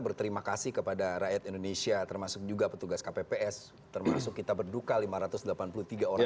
berterima kasih kepada rakyat indonesia termasuk juga petugas kpps termasuk kita berduka lima ratus delapan puluh tiga orang